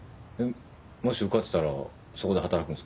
もし受かってたらそこで働くんですか？